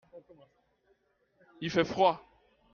Il fait froid ?